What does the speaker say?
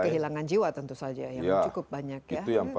kehilangan jiwa tentu saja yang cukup banyak ya